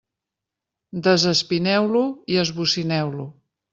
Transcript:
Desespineu-lo i esbocineu-lo.